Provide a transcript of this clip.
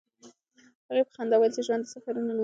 هغې په خندا وویل چې ژوند د سفرونو نوم دی.